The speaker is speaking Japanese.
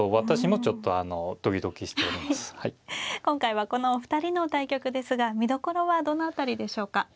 今回はこのお二人の対局ですが見どころはどの辺りでしょうか。